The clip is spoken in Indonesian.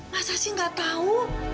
masa sih gak tahu